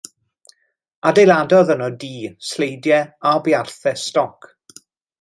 Adeiladodd yno dŷ, siediau a buarthau stoc.